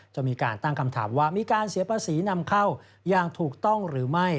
จะมีการตั้งคำถามว่ามีการเสียภาษีนำเข้าอย่างถูกต้องหรือไม่